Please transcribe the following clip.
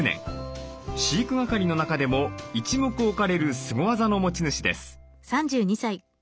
飼育係の中でも一目置かれるスゴ技の持ち主です。